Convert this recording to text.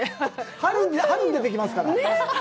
春に出てきますから。